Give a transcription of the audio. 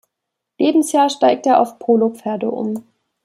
Lebensjahr stieg er auf Polo-Pferde um.